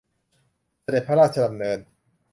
เสด็จพระราชดำเนิน